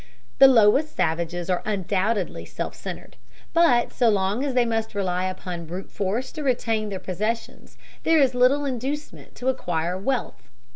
The lowest savages are undoubtedly self centered, but so long as they must rely upon brute force to retain their possessions, there is little inducement to acquire wealth.